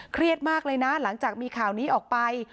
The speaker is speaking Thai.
เครียดมากเลยนะหลังจากมีข่าวนี้ออกไป